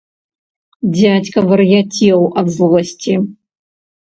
Дзядзька вар'яцеў ад злосці.